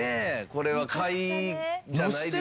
これは買いじゃないですか？